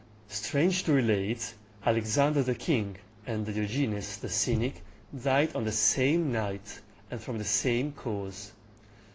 Strange to relate, Alexander the king, and Diogenes the cynic, died on the same night, and from the same cause.